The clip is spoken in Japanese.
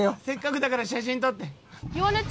「せっかくだから写真撮って」。